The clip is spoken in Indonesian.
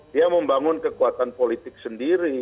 dia membangun kekuatan politik sendiri